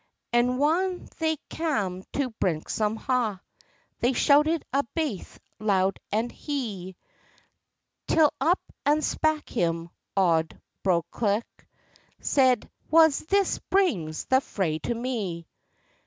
And whan they cam to Branksome Ha', They shouted a' baith loud and hie, Till up and spak him auld Buccleuch, Said—"Wha's this brings the fray to me?